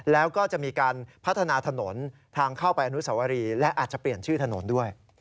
แล้วก็จะมีการพัฒนาถนนทางเข้าไปอนุสวรีและอาจจะเปลี่ยนชื่อถนนด้วย